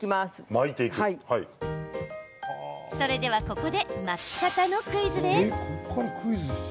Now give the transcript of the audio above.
それでは、ここで巻き方のクイズです。